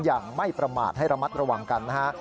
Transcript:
อย่างไม่ประมาทให้ระมัดระวังกันนะฮะ